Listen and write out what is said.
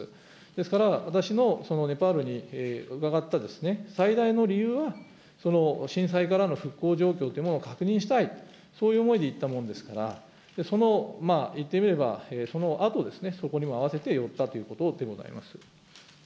ですから、私のネパールに伺った最大の理由は、震災からの復興状況というものを確認したい、そういう思いで行ったものですから、言ってみれば、そのあとですね、そこにも合せて寄ったということでございます。